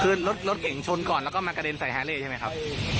คือรถเก่งชนก่อนแล้วก็มากระเด็นใส่ฮาเล่ใช่ไหมครับ